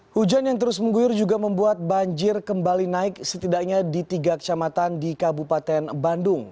hujan yang terus mengguyur juga membuat banjir kembali naik setidaknya di tiga kecamatan di kabupaten bandung